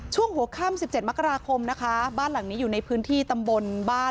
ช่วงหัวค่ำ๑๗มกราคมนะคะบ้านหลังนี้อยู่ในพื้นที่ตำบลบ้าน